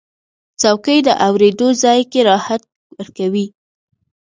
چوکۍ د اورېدو ځای کې راحت ورکوي.